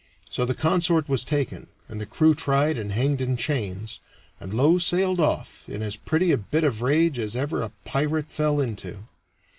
So the consort was taken, and the crew tried and hanged in chains, and Low sailed off in as pretty a bit of rage as ever a pirate fell into.